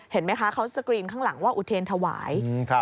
เห็นไหมคะเขาสกรีนข้างหลังว่าอุเทรนถวาย